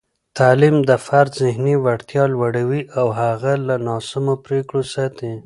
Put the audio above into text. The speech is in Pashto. تعلیم د فرد ذهني وړتیا لوړوي او هغه له ناسمو پرېکړو ساتي.